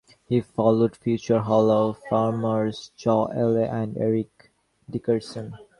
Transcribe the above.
He followed future hall of famers John Elway and Eric Dickerson.